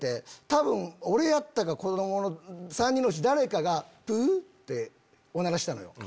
多分俺やったか子供の３人のうち誰かがプ！ってオナラしたのよ。